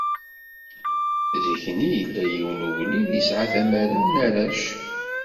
Zik-nni, yella yiwen n ugellid yesεa tmara n arrac.